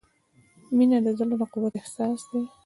• مینه د زړۀ د قوت احساس دی.